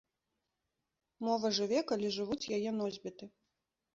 Мова жыве, калі жывуць яе носьбіты.